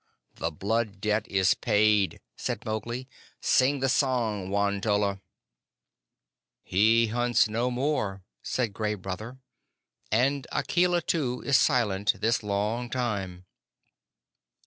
"Huh! The Blood Debt is paid," said Mowgli. "Sing the song, Won tolla." "He hunts no more," said Gray Brother; "and Akela, too, is silent this long time."